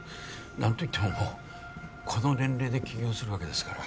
何と言ってももうこの年齢で起業するわけですから